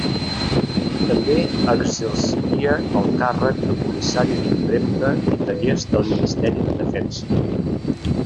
També exerciria el càrrec de comissari d'Impremta i Tallers del Ministeri de Defensa.